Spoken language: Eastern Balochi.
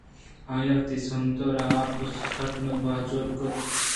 آئی ءَ وتی سُنٹ ءَ را آپ ءِ سرکنگ ءِ باز جُہد کُت